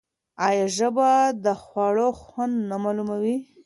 آیا ژبه د خوړو خوند نه معلوموي؟